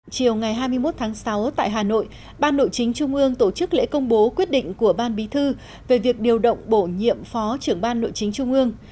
chiều ngày hai mươi một tháng sáu tại hà nội ban nội chính trung ương tổ chức lễ công bố quyết định của ban bí thư về việc điều động bổ nhiệm phó trưởng ban nội chính trung ương